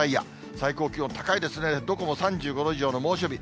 最高気温高いですね、どこも３５度以上の猛暑日。